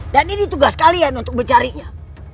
dan ini tugas kalian untuk mencarinya